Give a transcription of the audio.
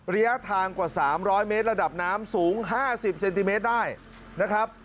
ระยะทางกว่า๓๐๐เมตรระดับน้ำสูง๕๐เซนติเมตรได้นะครับ